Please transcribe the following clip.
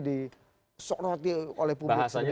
disorot oleh publik bahasanya